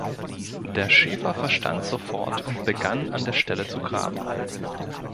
Der Schäfer verstand sofort und begann, an der Stelle zu graben.